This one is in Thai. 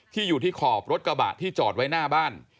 อยู่ที่ขอบรถกระบะที่จอดไว้หน้าบ้าน